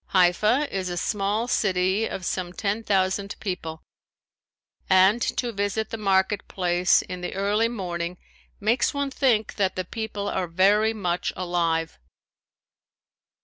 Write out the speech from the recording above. Haifa is a small city of some ten thousand people and to visit the market place in the early morning makes one think that the people are very much alive.